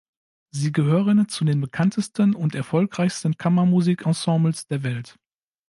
Sie gehören zu den bekanntesten und erfolgreichsten Kammermusik-Ensembles der Welt.